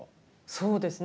そうですね。